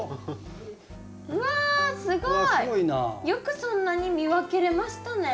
よくそんなに見分けれましたね。